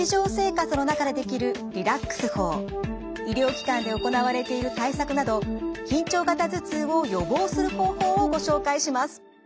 今日は医療機関で行われている対策など緊張型頭痛を予防する方法をご紹介します。